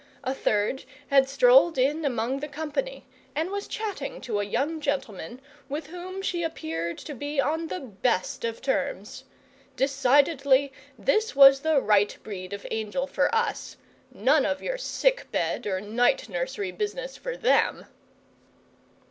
A third had strolled in among the company, and was chatting to a young gentleman, with whom she appeared to be on the best of terms. Decidedly, this was the right breed of angel for us. None of your sick bed or night nursery business for them!